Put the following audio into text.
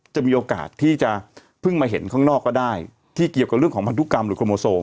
จะมีโอกาสที่จะเพิ่งมาเห็นข้างนอกก็ได้ที่เกี่ยวกับเรื่องของพันธุกรรมหรือโครโมโซม